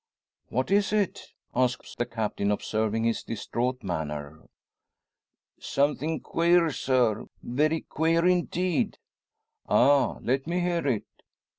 "What is it?" asks the Captain, observing his distraught manner. "Somethin' queer, sir; very queer indeed." "Ah! Let me hear it!"